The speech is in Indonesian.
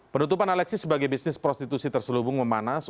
penutupan alexis sebagai bisnis prostitusi terselubung memanas